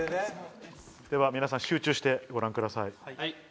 では皆さん集中してご覧ください。